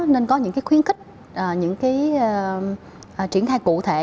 nên có những khuyến khích những triển khai cụ thể